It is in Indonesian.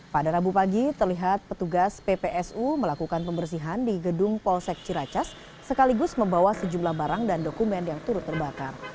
pada rabu pagi terlihat petugas ppsu melakukan pembersihan di gedung polsek ciracas sekaligus membawa sejumlah barang dan dokumen yang turut terbakar